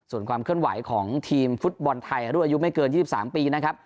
ส่วนความเคลื่อนไหวของทีมฟุตบอลไทยรุ่นอายุไม่เกิน๒๓ปีนะครับ